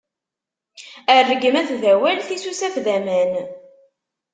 Rregmat d awal, tisusaf d aman.